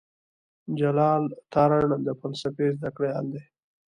جلال تارڼ د فلسفې زده کړيال دی.